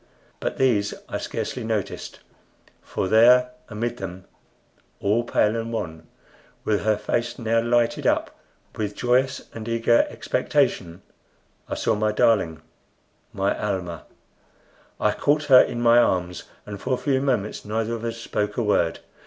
But these I scarcely noticed; for there amid them, all pale and wan, with her face now lighted up with joyous and eager expectation, I saw my darling my Almah! I caught her in my arms, and for a few moments neither of us spoke a word.